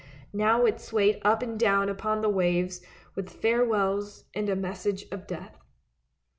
Now it swayed up and down upon the waves with farewells and a message of death.